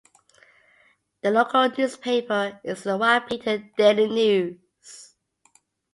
The local newspaper is the "Wahpeton Daily News".